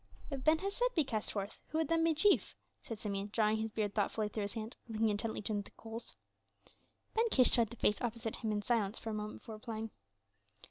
"If Ben Hesed be cast forth, who would then be chief?" said Simeon, drawing his beard thoughtfully through his hand and looking intently into the coals. Ben Kish studied the face opposite him in silence for a moment before replying.